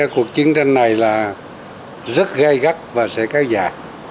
cuộc chiến tranh này rất gây gắt và sẽ kéo dài